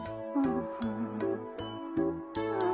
うん。